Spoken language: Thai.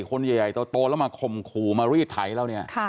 คนใหญ่โตแล้วมาข่มขู่มารีดไถเราเนี่ย